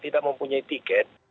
tidak mempunyai tiket